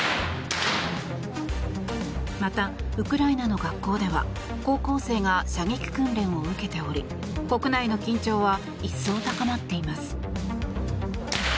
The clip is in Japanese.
また、ウクライナの学校では高校生が射撃訓練を受けており国内の緊張は一層高まっています。